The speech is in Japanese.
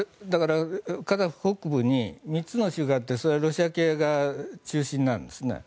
カザフ北部に３つの州があってそれはロシア系が中心なわけですね。